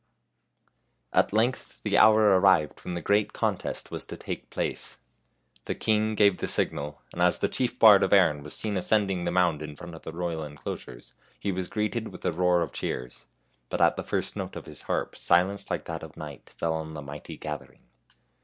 92 FAIRY TALES At length the hour arrived when the great con test was to take place. The king gave the signal, and as the chief bard of Erin was seen ascending the mound in front of the royal inclosures he was greeted with a roar of cheers, but at the first note of his harp silence like that of night fell on the mighty gathering.